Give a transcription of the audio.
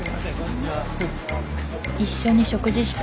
一緒に食事した